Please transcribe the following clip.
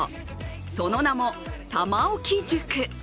その名も玉置塾。